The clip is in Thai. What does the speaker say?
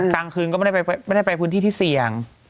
กลางคืนก็ไม่ได้ไปพื้นที่ที่เสี่ยง